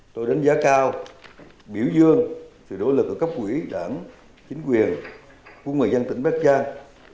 tôi đánh giá cao biểu dương sự đối lực của các quỹ đảng chính quyền quân người dân tỉnh bắc giang